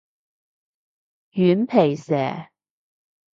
軟皮蛇